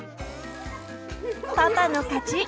パパの勝ち！